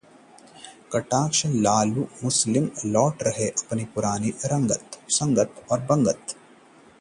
कटाक्ष में माहिर लालू लौट रहे हैं अपनी पुरानी रंगत में